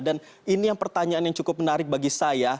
dan ini yang pertanyaan yang cukup menarik bagi saya